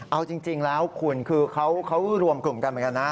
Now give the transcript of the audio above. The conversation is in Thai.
เอาจริงแล้วคุณคือเขารวมกลุ่มกันเหมือนกันนะ